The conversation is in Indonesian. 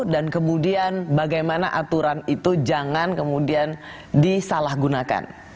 dan kemudian bagaimana aturan itu jangan kemudian disalahgunakan